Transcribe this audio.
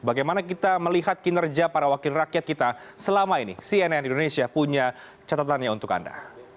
bagaimana kita melihat kinerja para wakil rakyat kita selama ini cnn indonesia punya catatannya untuk anda